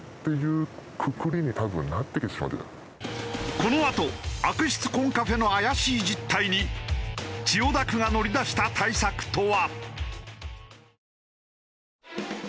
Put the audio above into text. このあと悪質コンカフェの怪しい実態に千代田区が乗りだした対策とは。